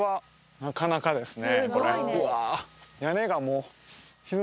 なかなかですね。